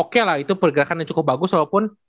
oke lah itu pergerakan yang cukup bagus walaupun